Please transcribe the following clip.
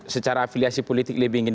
secara afiliasi politik lebih ingin